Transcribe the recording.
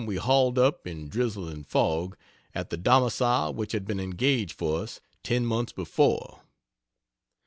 we hauled up, in drizzle and fog, at the domicile which had been engaged for us ten months before.